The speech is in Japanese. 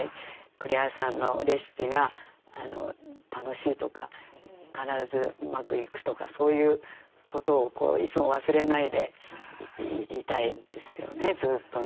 栗原さんのレシピが楽しいとか必ずうまくいくとかそういうことをいつも忘れないでいたいですよねずっとね。